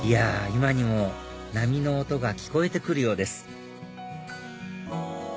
今にも波の音が聞こえて来るようです